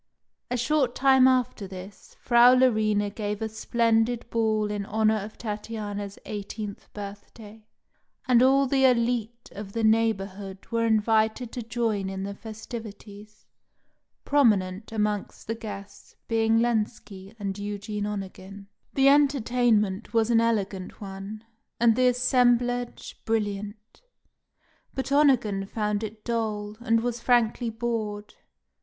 A short time after this, Frau Larina gave a splendid ball in honour of Tatiana's eighteenth birthday, and all the élite of the neighbourhood were invited to join in the festivities, prominent amongst the guests being Lenski and Eugene Onegin. The entertainment was an elegant one, and the assemblage brilliant; but Onegin found it dull, and was frankly bored.